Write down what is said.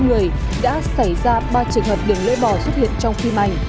người đã xảy ra ba trường hợp đỉnh lễ bò xuất hiện trong phim ảnh